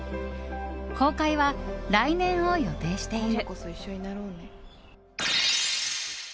公開は来年を予定している。